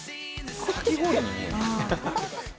かき氷に見える。